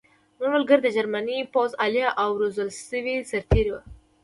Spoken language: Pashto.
زموږ ملګري د جرمني پوځ عالي او روزل شوي سرتېري وو